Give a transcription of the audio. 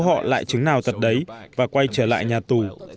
họ lại chứng nào tật đấy và quay trở lại nhà tù